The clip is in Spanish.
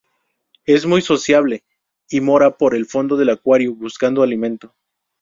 Es muy sociable, y mora por el fondo del acuario, buscando alimento.